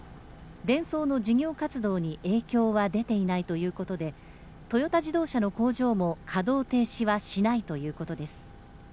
デンソーの事業活動に影響は出ていないということでトヨタ自動車の工場も稼働停止はしないということです。